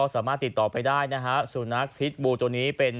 หมาเพศผู้หรือเพศเนียน